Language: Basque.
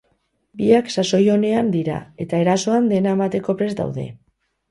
Biak sasoi onean dira eta erasoan dena emateko prest daude.